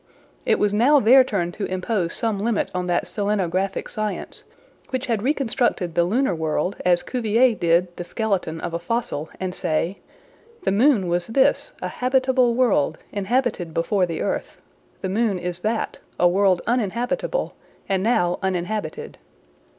It was now their turn to impose some limit on that selenographic science, which had reconstructed the lunar world as Cuvier did the skeleton of a fossil, and say, "The moon was this, a habitable world, inhabited before the earth. The moon is that, a world uninhabitable, and now uninhabited."